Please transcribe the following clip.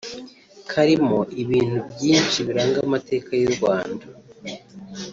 karimo ibintu byinshi biranga amateka y’u Rwanda